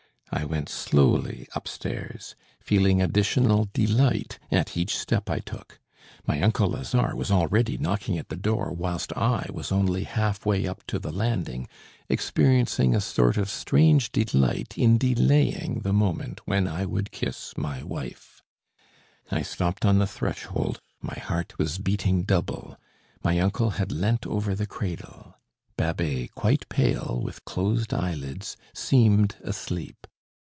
I went slowly upstairs, feeling additional delight at each step I took. My uncle Lazare was already knocking at the door, whilst I was only half way up to the landing, experiencing a sort of strange delight in delaying the moment when I would kiss my wife. I stopped on the threshold, my heart was beating double. My uncle had leant over the cradle. Babet, quite pale, with closed eyelids, seemed asleep.